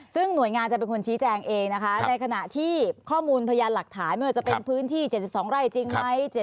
ซึ่งหน่วยงานจะเป็นคนชี้แจงเองนะคะในขณะที่ข้อมูลพยานหลักฐานไม่ว่าจะเป็นพื้นที่๗๒ไร่จริงไหม